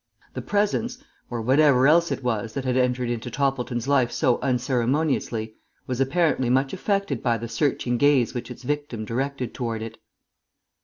The presence, or whatever else it was that had entered into Toppleton's life so unceremoniously, was apparently much affected by the searching gaze which its victim directed toward it.